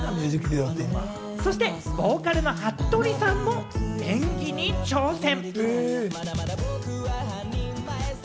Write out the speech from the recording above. そしてボーカルのはっとりさんも演技に挑戦！